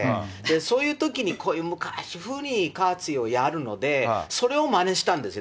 そういうときに、こういう昔風にカーツィをやるので、それをまねしたんですよ。